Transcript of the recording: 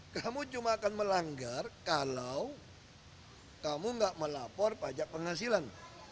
kamu cuma akan melanggar kalau kamu nggak melapor pajak penghasilan